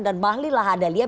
dan mbah lila hadaliah